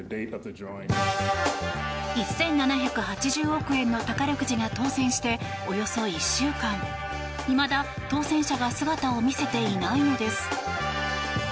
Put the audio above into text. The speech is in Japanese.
１７８０億円の宝くじが当せんして、およそ１週間いまだ当せん者が姿を見せていないのです。